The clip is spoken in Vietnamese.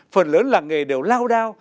phần lớn làng nghề đều lao đao